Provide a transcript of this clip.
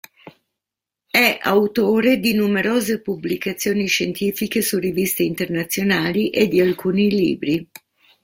È autore di numerose pubblicazioni scientifiche su riviste internazionali e di alcuni libri.